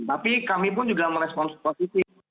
tapi kami pun juga merespons positif